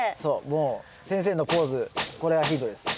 もう先生のポーズこれがヒントです。